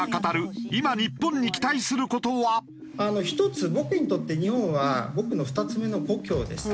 １つ僕にとって日本は僕の２つ目の故郷です。